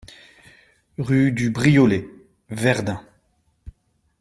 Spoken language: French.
Rue du Briolet, Verdun